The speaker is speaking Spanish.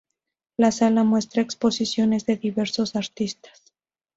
La sala muestra exposiciones de diversos artistas.